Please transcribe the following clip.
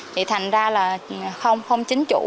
thì thành ra là không chính chủ